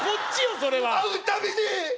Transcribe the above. それは会うたびに！